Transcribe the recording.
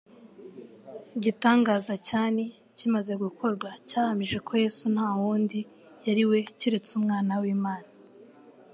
Igitangaza cyani kimaze gukorwa cyahamije ko Yesu nta wundi yari we keretse Umwana w'Imana.